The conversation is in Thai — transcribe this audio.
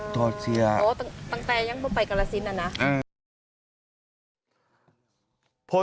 โทรเสียอ๋อตั้งแต่ยังไม่ไปกรษินต์ปะนะมคอืม